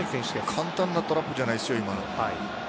簡単なトラップじゃないですよ今の。